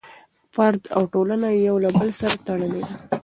فرد او ټولنه یو له بل سره تړلي دي.